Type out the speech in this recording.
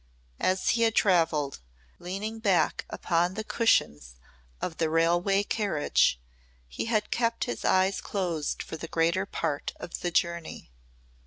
As he had travelled, leaning back upon the cushions of the railway carriage, he had kept his eyes closed for the greater part of the journey.